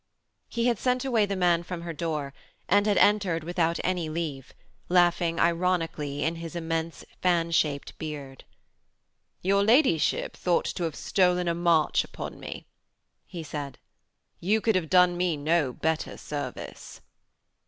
He had sent away the man from her door and had entered without any leave, laughing ironically in his immense fan shaped beard. 'Your ladyship thought to have stolen a march upon me,' he said. 'You could have done me no better service.'